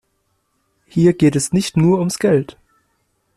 Hier geht es nicht nur ums Geld.